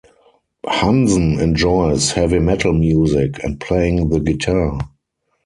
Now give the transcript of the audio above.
Hansen enjoys heavy metal music and playing the guitar.